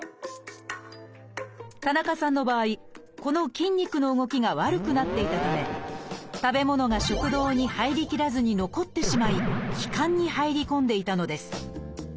田中さんの場合この筋肉の動きが悪くなっていたため食べ物が食道に入りきらずに残ってしまい気管に入り込んでいたのです。